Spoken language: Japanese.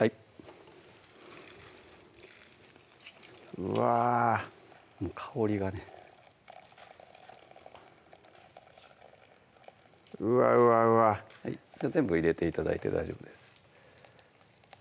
うわぁ香りがねうわうわうわ全部入れて頂いて大丈夫です